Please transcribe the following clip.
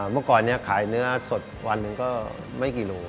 เมื่อก่อนนี้ขายเนื้อสดวันหนึ่งก็ไม่กี่โล